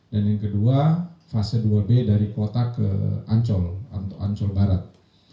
dan yang kedua fase dua b dari kota ke ancol ancol barat